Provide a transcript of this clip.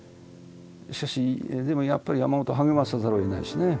しかしやっぱり山本を励まさざるをえないしね。